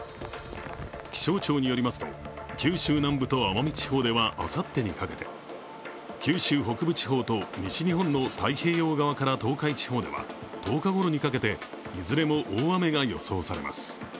気象庁によりますと、九州南部と奄美地方ではあさってにかけて、九州北部地方と西日本の太平洋側から東海地方では１０日ごろにかけていずれも大雨が予想されます。